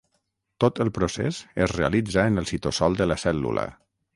Tot el procés es realitza en el citosol de la cèl·lula.